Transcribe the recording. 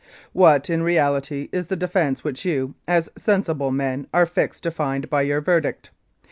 ... "What in reality is the defence which you, as sensible men, are asked to find by your verdict?